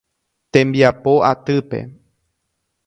Tembiapo atýpe.